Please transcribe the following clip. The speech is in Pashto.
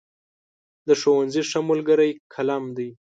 د ښوونځي ښه ملګری قلم دی.